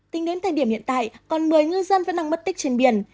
tính đến thời điểm hiện tại còn một mươi ngư dân vẫn đang mất tích trên biển